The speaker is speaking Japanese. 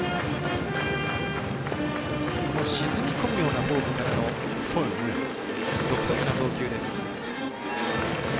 沈み込むようなフォームからの独特な投球です。